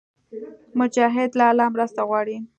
مجاهد له الله مرسته غواړي.